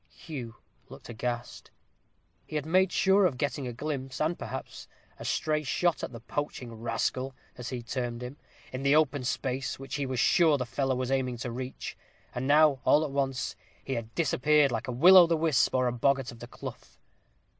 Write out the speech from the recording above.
Hugh looked aghast. He had made sure of getting a glimpse, and, perhaps, a stray shot at the "poaching rascal," as he termed him, "in the open space, which he was sure the fellow was aiming to reach; and now, all at once, he had disappeared, like a will o' the wisp or a boggart of the clough."